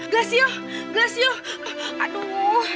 lesyu lesyu aduh